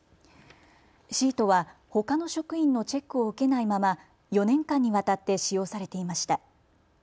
シートはほかの職員のチェックを受けないまま４年間にわたって使用されていました。